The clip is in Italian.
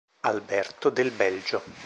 Alberto del Belgio